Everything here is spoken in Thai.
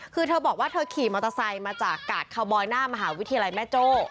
คือเธอบอกว่าเธอขี่มอเตอร์ไซค์มาจากกาดคาวบอยหน้ามหาวิทยาลัยแม่โจ้